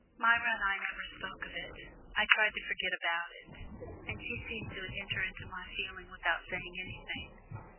Myra and I never spoke of it. I tried to forget about it, and she seemed to enter into my feeling without saying anything.